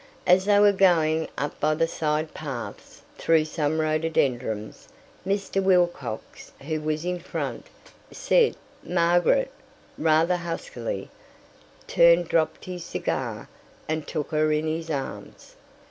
As they were going up by the side paths, through some rhododendrons, Mr. Wilcox, who was in front, said "Margaret" rather huskily, turned, dropped his cigar, and took her in his arms.